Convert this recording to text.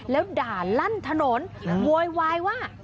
แล้วด่าลั่นถนนโวยวายว่า